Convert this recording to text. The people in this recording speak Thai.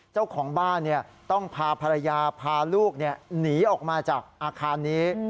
เจ้าของบ้านต้องพาภรรยาพาลูกหนีออกมาจากอาคารนี้